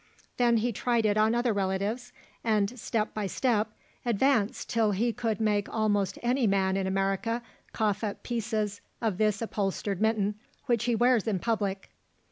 Then he tried it on other relatives, and step by step advanced till he could make almost any man in America cough up pieces of this upholstered mitten which he wears in public.